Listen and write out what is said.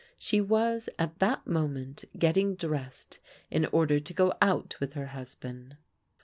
She was at that moment getting dressed in order to go out with her husband.